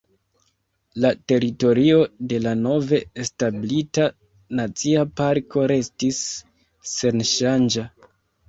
La teritorio de la nove establita nacia parko restis senŝanĝa.